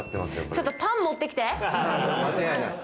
ちょっとパン持ってきて！